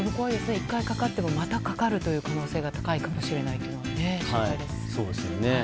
１回かかってもまたかかる可能性高いかもしれないとは心配です。